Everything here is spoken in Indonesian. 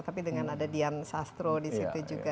tapi dengan ada dian sastro disitu juga